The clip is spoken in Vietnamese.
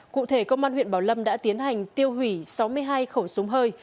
cụ thể công an huyện bảo lâm đã tiến hành tiêu hủy sáu mươi hai khẩu súng hơi